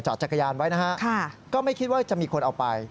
จักรยานไว้นะฮะก็ไม่คิดว่าจะมีคนเอาไป